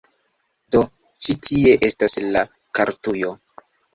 Do ĉi tie estas la kartujo